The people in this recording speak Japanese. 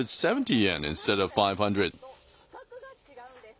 なんと価格が違うんです。